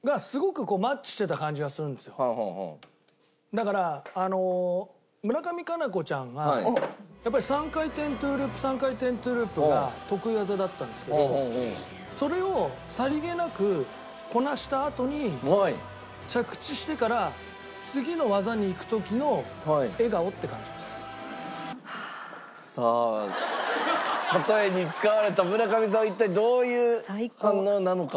だから村上佳菜子ちゃんがやっぱり３回転トゥループ３回転トゥループが得意技だったんですけどそれをさりげなくこなしたあとに着地してからさあ例えに使われた村上さんは一体どういう反応なのか？